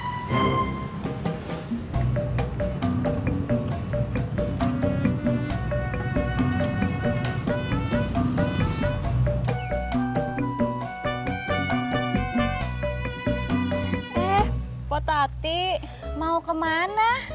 eh bu atuh mau kemana